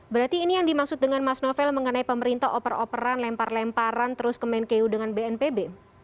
berarti ini yang dimaksud dengan mas novel mengenai pemerintah oper operan lempar lemparan terus kemenkeu dengan bnpb